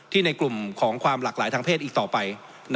ในกลุ่มของความหลากหลายทางเพศอีกต่อไป